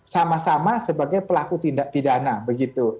sama sama sebagai pelaku tindak pidana begitu